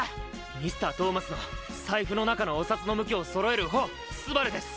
Ｍｒ．トーマスの財布の中のお札の向きをそろえるほう昴です。